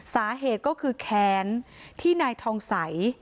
สาเหตุก็คือแค้นที่นายทองใส